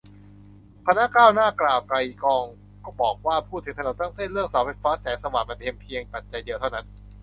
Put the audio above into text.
คณะก้าวหน้า กล่าว ไกลก้อง บอกว่า พูดถึงถนนทั้งเส้น เรื่องเสาไฟฟ้าแสงสว่างมันเพียงปัจจัยเดียวเท่านั้น